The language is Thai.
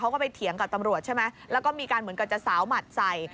เขาก็ไปเถียงกับตำรวจใช่ไหมแล้วก็มีการเหมือนกับจะสาวหมัดใส่